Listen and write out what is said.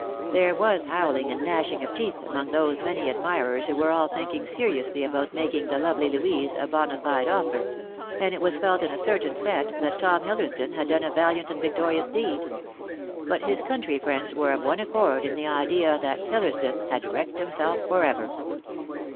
There was howling and gnashing of teeth among those many admirers who were all thinking seriously about making the lovely Louise a bond fide offer ; and it was felt in a certain set that Tom Hillersdon had done a valiant and victorious deed ; but his country friends were of one accord in the idea that Hillersdon had wrecked himself for ever.